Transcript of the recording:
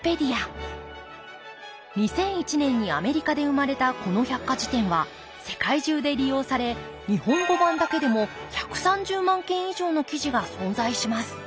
２００１年にアメリカで生まれたこの百科事典は世界中で利用され日本語版だけでも１３０万件以上の記事が存在します